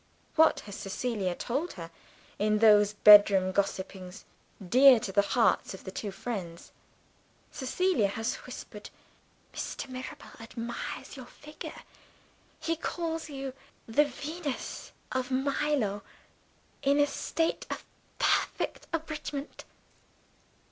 What has Cecilia told her, in those bedroom gossipings, dear to the hearts of the two friends? Cecilia has whispered, "Mr. Mirabel admires your figure; he calls you 'the Venus of Milo, in a state of perfect abridgment.